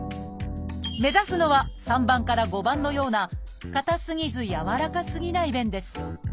目指すのは３番から５番のような硬すぎずやわらかすぎない便です。